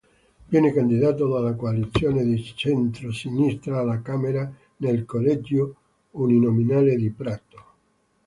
Viene candidato dalla coalizione di centrosinistra alla Camera, nel "collegio uninominale" di Prato.